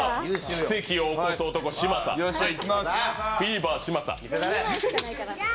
奇跡を起こす男・嶋佐フィーバー・嶋佐。